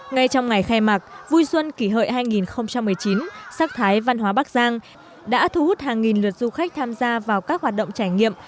ngay trong ngày khai mạc vui xuân kỷ hợi hai nghìn một mươi chín sắc thái văn hóa bắc giang đã thu hút hàng nghìn lượt du khách tham gia vào các hoạt động trải nghiệm